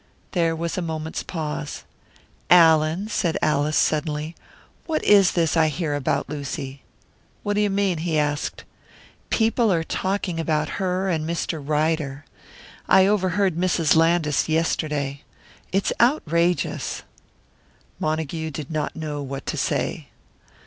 There was a moment's pause. "Allan," said Alice, suddenly, "what is this I hear about Lucy?" "What do you mean?" he asked. "People are talking about her and Mr. Ryder. I overheard Mrs. Landis yesterday. It's outrageous!" Montague did hot know what to say.